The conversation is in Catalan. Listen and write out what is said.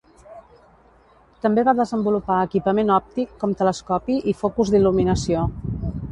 També va desenvolupar equipament òptic com telescopi i focus d'il·luminació.